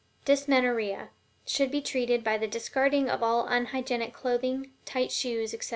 DYSMENORRHEA should be treated by the discarding of all unhygienic clothing, tight shoes, etc.